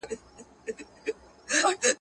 موږ به په ګډه خپل کلی ښکلی کړو.